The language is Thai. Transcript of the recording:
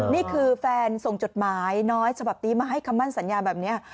นี่คือแฟนส่งจดหมายน้อยฉบับนี้มาให้คำมั่นสัญญาแบบนี้